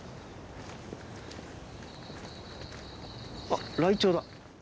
あっライチョウだ！